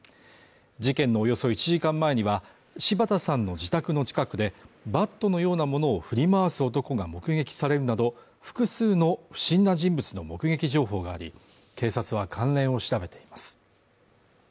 事件のおよそ１時間前には柴田さんの自宅の近くでバットのようなものを振り回す男が目撃されるなど、複数の不審な人物の目撃情報があり、警察は関連を調べています。